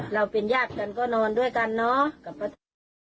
เราเป็นญาติกันก็นอนด้วยกันเนาะ